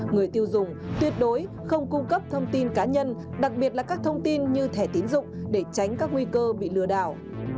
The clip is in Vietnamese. người tiêu dùng tuyệt đối không cung cấp thông tin cá nhân đặc biệt là các thông tin như thẻ tiến dụng để tránh các nguy cơ bị lừa đảo